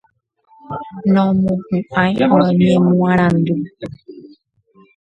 Nomohu'ãi iñemoarandu.